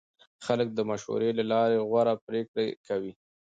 خلک د مشورې له لارې غوره پرېکړې کوي